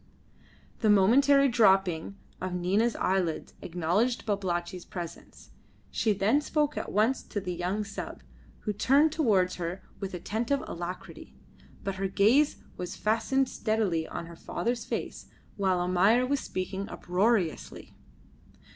The momentary dropping of Nina's eyelids acknowledged Babalatchi's presence; she then spoke at once to the young sub, who turned towards her with attentive alacrity, but her gaze was fastened steadily on her father's face while Almayer was speaking uproariously.